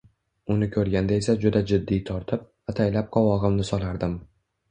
Uni ko`rganda esa juda jiddiy tortib, ataylab qovog`imni solardim